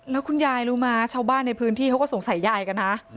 แล้วคุณยายรู้มั้ยชาวบ้านในพื้นที่เขาก็สงสัยยายกันนะ